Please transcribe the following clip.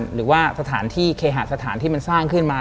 หรือว่าสถานที่เคหาสถานที่มันสร้างขึ้นมา